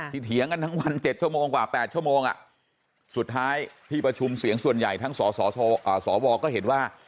ที่เถียงกันทั้งวันเจ็ดชั่วโมงกว่าแปดชั่วโมงอ่ะสุดท้ายที่ประชุมเสียงส่วนใหญ่ทั้งสอสอสอวอร์ก็เห็นว่า